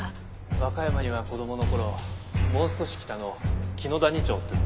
和歌山には子供の頃もう少し北の紀野谷町ってとこにちょっとだけ。